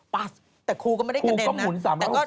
ป๊าศแต่ครูก็ไม่ได้เกด็นครูก็หมุน๓๖๐เนื้อ